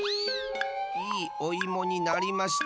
いいおいもになりました。